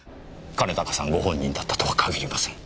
兼高さんご本人だったとは限りません。